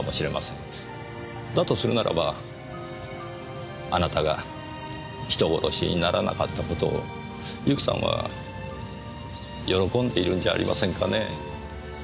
だとするならばあなたが人殺しにならなかった事を由紀さんは喜んでいるんじゃありませんかねぇ。